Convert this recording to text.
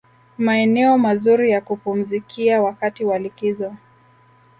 Maeneo mazuri ya kupumzikia wakati wa likizo